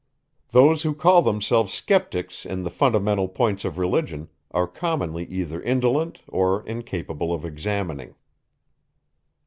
Those who call themselves sceptics in the fundamental points of religion, are commonly either indolent or incapable of examining.